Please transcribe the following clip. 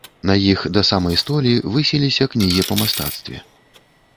На іх да самай столі высіліся кнігі па мастацтве.